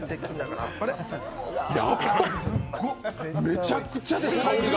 めちゃくちゃいい、香りが。